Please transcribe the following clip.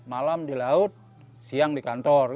malam di laut siang di kantor